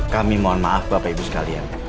kami mohon maaf bapak ibu sekalian